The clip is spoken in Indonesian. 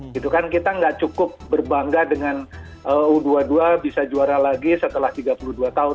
gitu kan kita nggak cukup berbangga dengan u dua puluh dua bisa juara lagi setelah tiga puluh dua tahun